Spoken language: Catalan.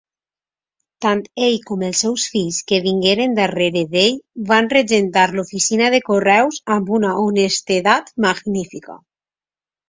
Tant ell com els seus fills que vingueren darrere d'ell van regentar l'oficina de correus amb una honestedat magnífica.